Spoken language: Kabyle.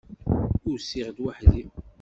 Usiɣ-d weḥd-i.